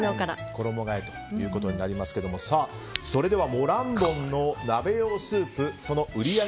衣替えということになりますがそれではモランボンの鍋用スープその売上